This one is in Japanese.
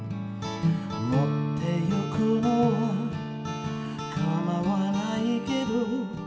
「持って行くのは構わないけど」